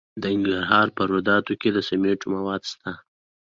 د ننګرهار په روداتو کې د سمنټو مواد شته.